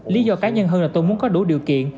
lý do cá nhân hơn là tôi muốn có đủ điều kiện